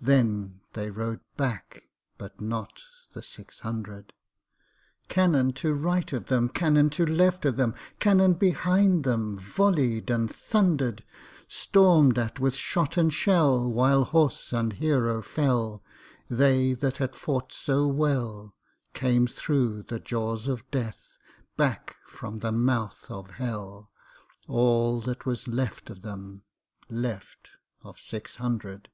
Then they rode back, but notNot the six hundred. Cannon to right of them, Cannon to left of them, Cannon behind themVolley'd and thunder'd; Storm'd at with shot and shell, While horse and hero fell, They that had fought so wellCame thro' the jaws of Death, Back from the mouth of Hell, All that was left of them, Left of six hundred.